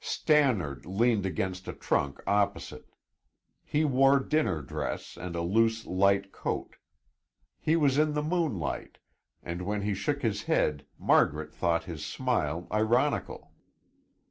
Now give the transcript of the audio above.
Stannard leaned against a trunk opposite. He wore dinner dress and a loose light coat. He was in the moonlight, and when he shook his head Margaret thought his smile ironical.